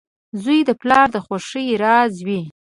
• زوی د پلار د خوښۍ راز وي.